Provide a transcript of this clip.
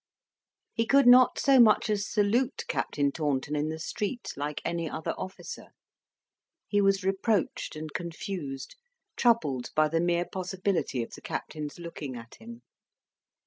He could not so much as salute Captain Taunton in the street like any other officer. He was reproached and confused, troubled by the mere possibility of the captain's looking at him.